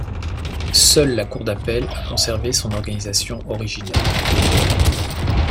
Seule la Cour d'appel a conservé son organisation originelle.